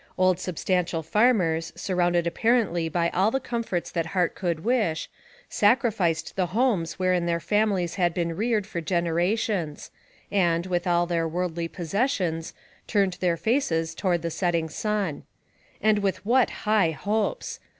Old substantial farmers, sur rounded apparently by all the comforts that heart could wish, sacrificed the homes wherein their families had been reared for generations, and, with all their worldly possessions, turned their faces toward the set Ill) 12 NAKRATIVE OF CAPTIVITY ting sun. And with what high hopes!